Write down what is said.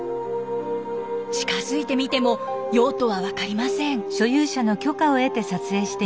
近づいてみても用途は分かりません。